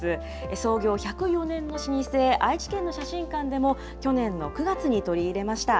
創業１０４年の老舗、愛知県の写真館でも、去年の９月に取り入れました。